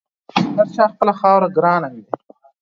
پر هر چا خپله خاوره ګرانه وي.